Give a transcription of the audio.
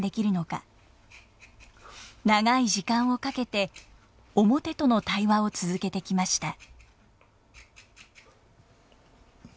長い時間をかけて面との対話を続けてきました。